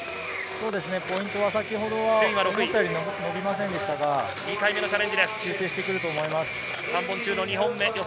ポイントは先ほどは思ったより伸びませんでしたが、修正してくると思います。